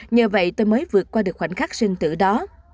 nhờ vậy tôi mới vượt qua được khoảnh khắc sinh tử đó